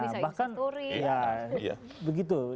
ya bahkan ya begitu